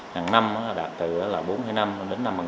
hàng năm đạt từ bốn năm đến năm